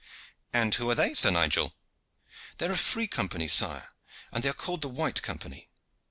"And who are they, Sir Nigel?" "They are a free company, sire, and they are called the White Company."